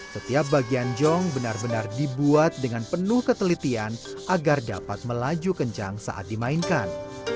setiap bagian jong benar benar dibuat dengan penuh ketelitian agar dapat melaju kencang saat dimainkan